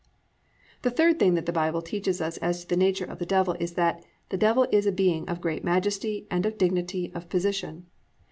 The third thing that the Bible teaches us as to the Nature of the Devil is that, the Devil is a being of great majesty and dignity of position.